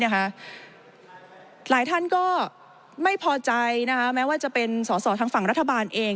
หลายท่านก็ไม่พอใจแม้ว่าจะเป็นสอสอทางฝั่งรัฐบาลเอง